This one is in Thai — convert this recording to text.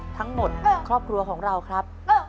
ทั้งหมดครอบครัวของเราครับ